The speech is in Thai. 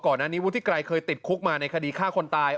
ก่อนนั้นฟุฒิกรายเคยติดคลุกมาในคดีฆ่าคนตาย